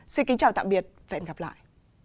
xin kính chào tạm biệt và hẹn gặp lại